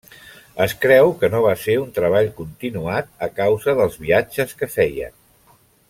Es creu que no va ser un treball continuat a causa dels viatges que feia.